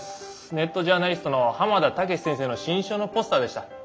ネットジャーナリストの浜田剛志先生の新書のポスターでした。